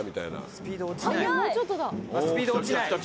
スピード落ちない。